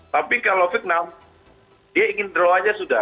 tapi kalau vietnam dia ingin draw aja sudah